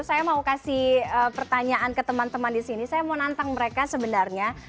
saya mau kasih pertanyaan ke teman teman di sini saya mau nantang mereka sebenarnya